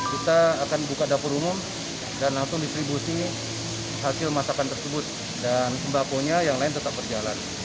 kita akan buka dapur umum dan langsung distribusi hasil masakan tersebut dan sembakonya yang lain tetap berjalan